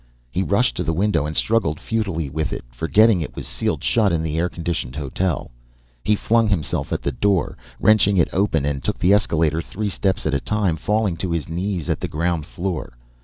He rushed to the window and struggled futilely with it, forgetting it was sealed shut in the air conditioned hotel. He flung himself at the door, wrenching it open and took the escalator three steps at a time falling to his knees at the ground floor.